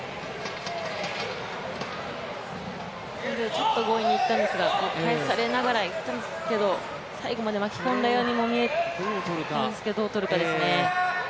ちょっと強引にいったんですが、返されながらいったんですけど最後まで巻き込んだようにも見えたんですけど、どうとるかですね。